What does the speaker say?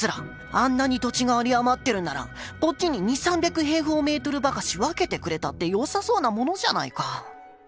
あんなに土地が有り余ってるんなら、こっちに二、三百平方メートルばかし分けてくれたってよさそうなものじゃないか」。